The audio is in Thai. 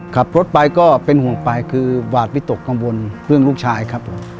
ขับรถไปก็เป็นห่วงไปคือหวาดวิตกกังวลเรื่องลูกชายครับผม